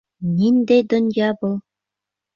Ниндәй донъя был?